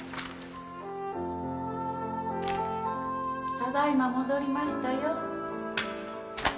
・ただいま戻りましたよ